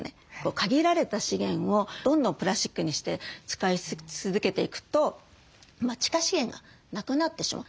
限られた資源をどんどんプラスチックにして使い続けていくと地下資源がなくなってしまう。